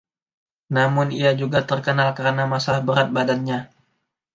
Namun, ia juga terkenal karena masalah berat badannya.